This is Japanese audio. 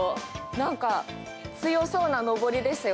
なんか、強そうなのぼりですよ。